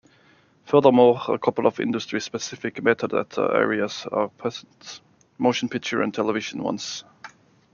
Furthermore, a couple of industry-specific metadata areas are present: Motion-Picture and Television ones.